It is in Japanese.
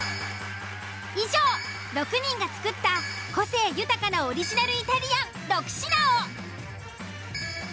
以上６人が作った個性豊かなオリジナルイタリアン６品を。